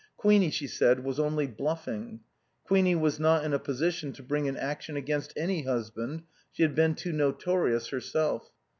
Queenie, she said, was only bluffing. Queenie was not in a position to bring an action against any husband, she had been too notorious herself.